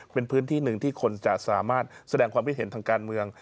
เป็นพื้นที่หนึ่งที่คนจะสามารถแสดงความคิดเห็นทางการเมือง